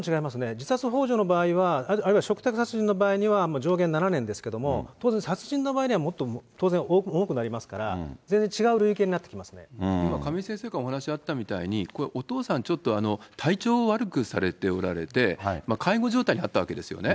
自殺ほう助の場合は、あるいは嘱託殺人の場合には上限７年ですけれども、当然殺人の場合にはもっと当然、重くなりますから、今、亀井先生からお話あったみたいに、これ、お父さん、ちょっと体調を悪くされておられて、介護状態にあったわけですよね。